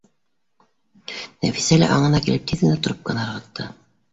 Нәфисә лә, аңына килеп, тиҙ генә трубканы ырғытты